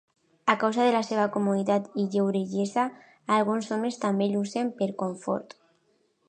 A causa de la seva comoditat i lleugeresa, alguns homes també l'usen per confort.